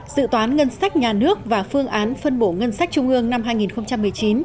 dự toán ngân sách nhà nước và phương án phân bổ ngân sách trung ương năm hai nghìn một mươi chín